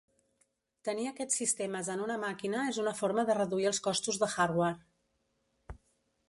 Tenir aquests sistemes en una màquina és una forma de reduir els costos de hardware.